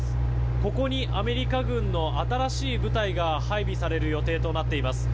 ここでアメリカ軍の新しい部隊が配備される予定となっています。